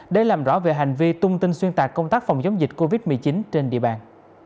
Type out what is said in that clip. để làm rõ về hành vi tung tin xuyên tạc công tác phòng chống dịch covid một mươi chín trên địa bàn